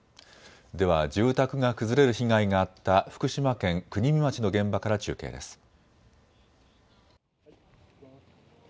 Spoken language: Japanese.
では住宅が崩れる被害があった福島県国見町の現場から中継です。